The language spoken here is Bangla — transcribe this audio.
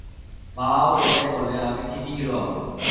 মাও এটাই বলে, আমি ঠিকি হিরো হবো।